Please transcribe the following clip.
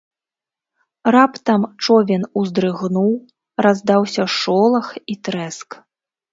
Раптам човен уздрыгнуў, раздаўся шолах і трэск.